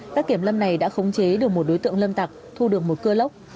các kiểm lâm này đã khống chế được một đối tượng lâm tặc thu được một cưa lốc